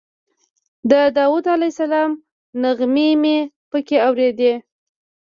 د داود علیه السلام نغمې مې په کې اورېدې.